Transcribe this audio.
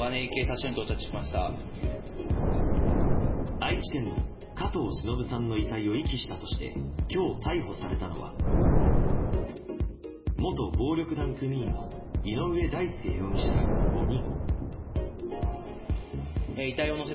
愛知県の加藤しのぶさんの遺体を遺棄したとして今日、逮捕されたのは元暴力団組員の井上大輔容疑者ら５人。